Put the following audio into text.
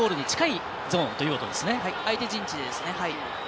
相手陣地ですね。